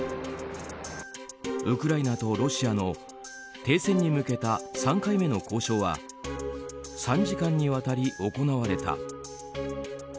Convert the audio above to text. ウクライナとロシアの停戦に向けた３回目の交渉は３時間にわたり行われた。